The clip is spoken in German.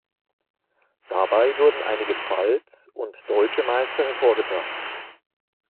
Dabei wurden einige Pfalz- und Deutsche Meister hervorgebracht.